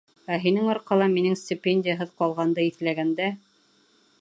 Ә һинең арҡала минең стипендияһыҙ ҡалғанды иҫләгәндә...